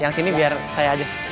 yang sini biar saya aja